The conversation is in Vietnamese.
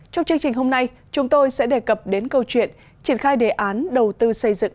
trong chương trình hôm nay chúng tôi sẽ đề cập đến câu chuyện triển khai đề án đầu tư xây dựng